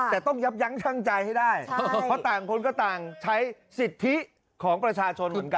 แต่ต้องยับยั้งชั่งใจให้ได้เพราะต่างคนก็ต่างใช้สิทธิของประชาชนเหมือนกัน